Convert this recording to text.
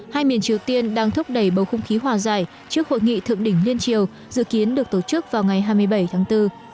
hai miền triều tiên đang thúc đẩy bầu không khí hòa giải trước hội nghị thượng đỉnh liên triều dự kiến được tổ chức vào ngày hai mươi bảy tháng bốn